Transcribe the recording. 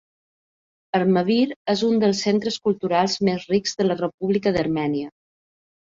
Armavir és un dels centres culturals més rics de la República d'Armènia.